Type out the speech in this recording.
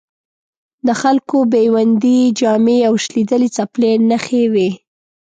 د خلکو بیوندي جامې او شلېدلې څپلۍ نښې وې.